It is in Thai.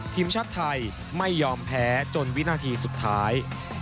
ทีมชาติไทยไม่ยอมแพ้จนวินาทีสุดท้าย